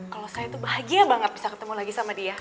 kalo saya tuh bahagia banget bisa ketemu lagi sama dia